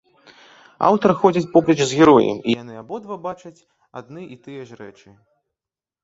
Аўтар ходзіць поплеч з героем, і яны абодва бачаць адны і тыя ж рэчы.